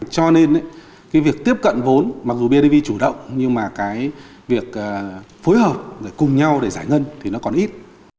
cho nên việc tiếp cận vốn mặc dù bndv chủ động nhưng việc phối hợp cùng nhau để giải ngân thì nó còn ít